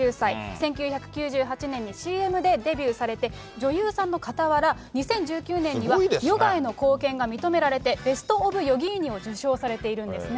１９９８年にＣＭでデビューされて、女優さんのかたわら、２０１９年にはヨガへの貢献が認められて、ベスト・オブ・ヨギーニを受賞されているんですね。